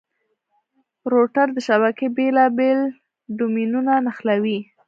روټر د شبکې بېلابېل ډومېنونه نښلوي.